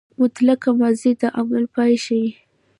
مطلقه ماضي د عمل پای ښيي.